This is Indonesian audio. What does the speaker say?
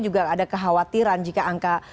juga ada kekhawatiran jika angka